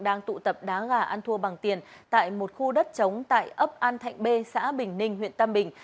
đang tụ tập đá gà ăn thua bằng tiền tại một khu đất chống tại ấp an thạnh b xã bình ninh huyện tam bình